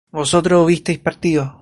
vosotros hubisteis partido